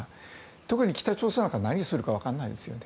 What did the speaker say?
特に北朝鮮は何するか分からないですよね。